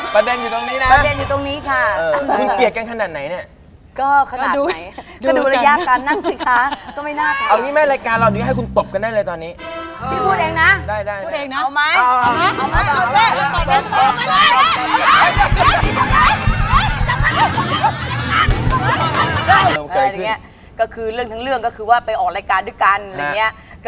บังเอิญว่ารายการเงินถึงเลยมาก